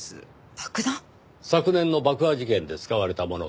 昨年の爆破事件で使われたものと？